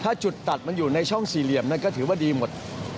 ถ้าจุดตัดมันอยู่ในช่องสี่เหลี่ยมนั้นก็ถือว่าดีหมด